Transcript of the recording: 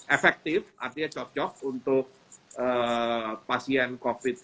efektif artinya cocok untuk pasien covid